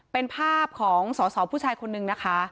เป็นภาพของสอสอผู้ชายคนนึงนะคะ